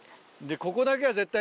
ここだけは絶対。